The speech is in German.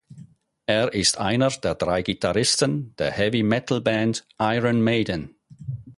Er ist einer der drei Gitarristen der Heavy-Metal-Band Iron Maiden.